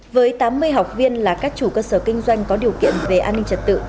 với tám mươi học viên là các chủ cơ sở kinh doanh có điều kiện về an ninh trật tự